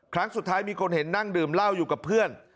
ครั้งสุดท้ายมีคนเห็นนั่งดื่มเหล้าอยู่กับเพื่อน